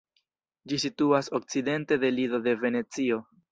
Ĝi situas okcidente de Lido de Venecio.